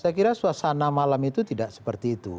saya kira suasana malam itu tidak seperti itu